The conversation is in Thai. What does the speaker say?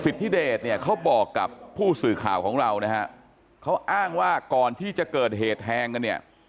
ทธิเดชเนี่ยเขาบอกกับผู้สื่อข่าวของเรานะฮะเขาอ้างว่าก่อนที่จะเกิดเหตุแทงกันเนี่ย